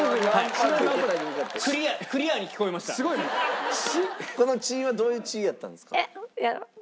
この「チッ」はどういう「チッ」やったんですか？